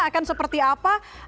akan seperti apa